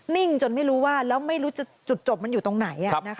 ่งจนไม่รู้ว่าแล้วไม่รู้จุดจบมันอยู่ตรงไหน